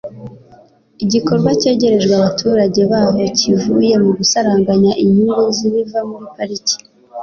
igikorwa kegerejwe abaturage baho kivuye mu gusaranganya inyungu z'ibiva muri pariki